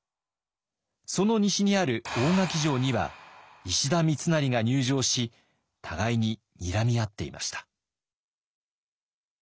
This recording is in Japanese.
その西にある大垣城には石田三成が入城し互いににらみ合っていました。